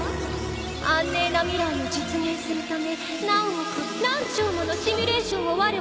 安寧な未来を実現するため何億何兆ものシミュレーションをわれは繰り返した。